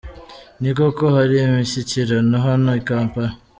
Ni koko hari imishyikirano hano i Kampala.